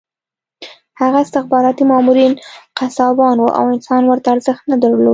هغه استخباراتي مامورین قصابان وو او انسان ورته ارزښت نه درلود